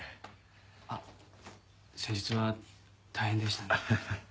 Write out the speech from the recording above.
あっ先日は大変でしたね。